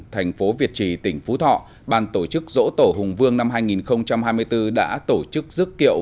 thành phố việt trì tỉnh phú thọ ban tổ chức dỗ tổ hùng vương năm hai nghìn hai mươi bốn đã tổ chức dức kiệu